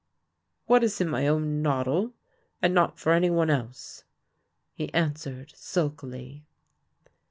" What is in my own noddle, and not for any one else," he answered sulkily.